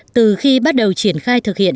từ khi bắt đầu triển khai thực hiện